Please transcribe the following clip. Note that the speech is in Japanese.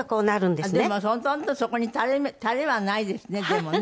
でもほとんどそこに垂れはないですねでもね。